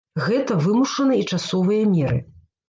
Гэта вымушаны і часовыя меры.